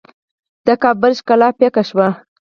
د کابل ښکلا پیکه شوه.